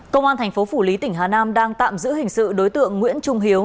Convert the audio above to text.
công an thành phố phủ lý tỉnh hà nam đang tạm giữ hình sự đối tượng nguyễn trung hiếu